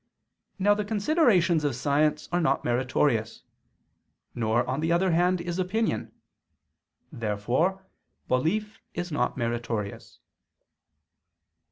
]. Now the considerations of science are not meritorious, nor on the other hand is opinion. Therefore belief is not meritorious.